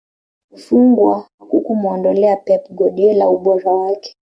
Kufungwa hakukumuondolea Pep Guardiola ubora wake